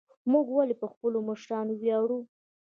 موږ ولې په خپلو مشرانو ویاړو؟